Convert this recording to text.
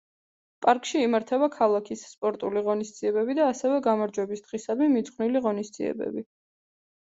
პარკში იმართება ქალაქის სპორტული ღონისძიებები და ასევე გამარჯვების დღისადმი მიძღვნილი ღონისძიებები.